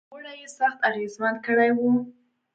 نوموړي یې سخت اغېزمن کړی و